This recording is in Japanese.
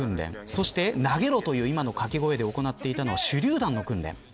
そして、投げろという掛け声で行っていたのは手りゅう弾の訓練。